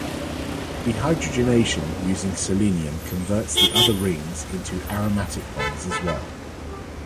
Dehydrogenation using selenium converts the other rings into aromatic ones as well.